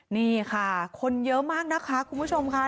นี่ค่ะคนเยอะมากนะคะคุณผู้ชมค่ะ